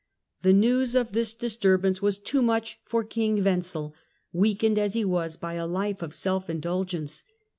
The news of this disturbance was too much for King Wenzel weakened as he was by a life of self indulgence.